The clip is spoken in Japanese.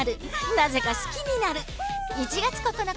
なぜか好きになる！